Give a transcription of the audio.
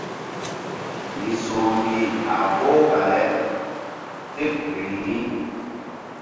Misoh mbih a vohu bale tel rih mi.